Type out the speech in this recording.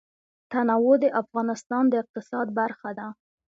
تنوع د افغانستان د اقتصاد برخه ده.